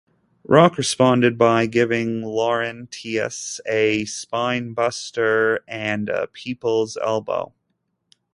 Rock responded by giving Laurinaitis a Spinebuster and a People's Elbow.